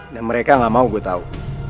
dan mereka gak mau gue tau